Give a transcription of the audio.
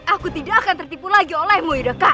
aku tidak akan tertipu lagi olehmu